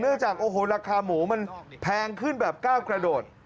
เนื่องจากโอโหราคาหมูมันแพงขึ้นแบบเก้ากระโดด